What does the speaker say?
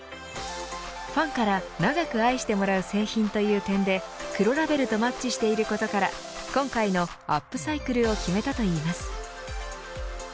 ファンから長く愛してもらう製品という点で黒ラベルとマッチしていることから今回のアップサイクルを決めたといいます。